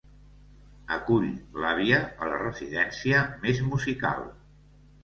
Acull l'àvia a la residència més musical.